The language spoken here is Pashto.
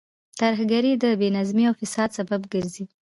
ترهګرۍ د بې نظمۍ او فساد سبب ګرځي.